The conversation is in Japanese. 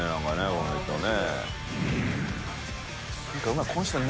この人ね。